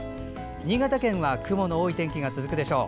新潟県は雲の多い天気が続くでしょう。